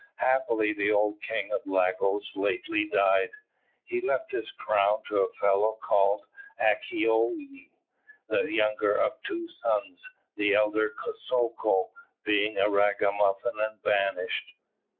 "Happily the old King of Lagos lately died. He left his crown to a fellow called Akitoye, the younger of two sons, the elder, Kosoko, being a ragamuffin and banished.